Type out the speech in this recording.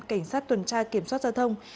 cảnh sát tuần tra kiểm soát giao thông